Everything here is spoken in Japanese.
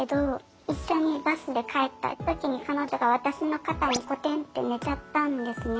一緒にバスで帰った時に彼女が私の肩にコテンッて寝ちゃったんですね。